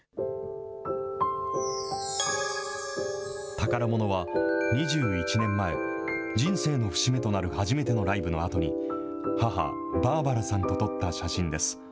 宝ものは、２１年前、人生の節目となる初めてのライブのあとに母、バーバラさんと撮った写真です。